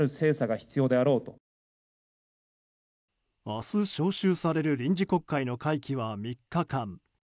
明日召集される臨時国会の会期は３日間。